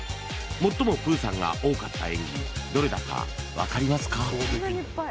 最もプーさんが多かった演技どれだか分かりますか？